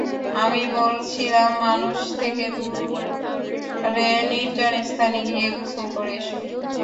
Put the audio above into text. আমি বলছিলাম, মানুষ থেকে দূরে নির্জন স্থানে গিয়ে গোসল করে এসো।